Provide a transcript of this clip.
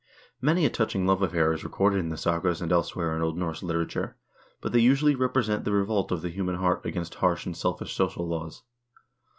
Many a touching love affair is recorded in the sagas and elsewhere in Old Norse literature, but they usually represent the revolt of the human heart against harsh and selfish social laws.